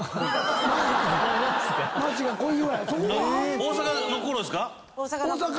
大阪のころですか？